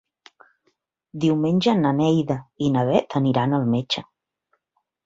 Diumenge na Neida i na Bet aniran al metge.